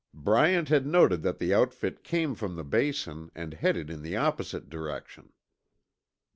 Bryant had noted that the outfit came from the Basin and headed in the opposite direction.